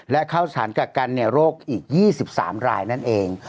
และเข้าสถานกักกันโรคอีก๒๓รายนั่นเอง